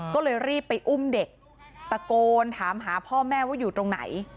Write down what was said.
ก็เลยรีบไปอุ้มเด็กตะโกนถามหาพ่อแม่ว่าอยู่ตรงไหน